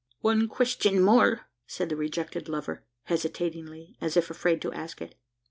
"One question more!" said the rejected lover hesitatingly, as if afraid to ask it.